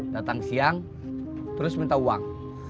datang siang terus minta uang